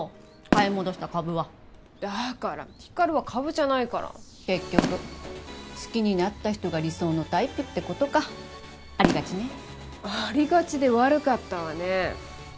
買い戻した株はだから光琉は株じゃないから結局好きになった人が理想のタイプってことかありがちねありがちで悪かったわね